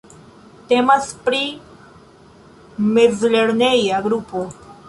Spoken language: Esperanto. Temas pri mezlerneja grupo.